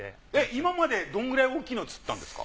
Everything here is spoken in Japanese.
今までどのくらい大きいのを釣ったんですか？